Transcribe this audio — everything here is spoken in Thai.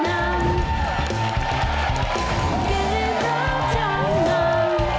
เกมรับจำนำ